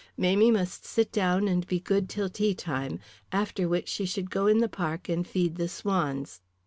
Mamie must sit down and be good till teatime, after which she should go in the park and feed the swans.